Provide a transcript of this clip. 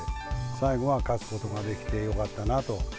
最後は勝つことができてよかったなと。